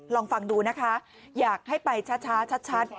ลองฟังดูนะคะอยากให้ไปช้าชัด